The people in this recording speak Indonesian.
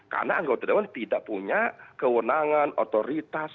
karena anggota dewan tidak punya kewenangan otoritas